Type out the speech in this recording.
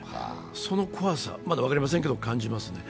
その怖さ、まだ分かりませんけど感じますね。